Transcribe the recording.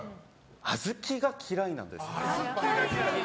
小豆が嫌いなんです。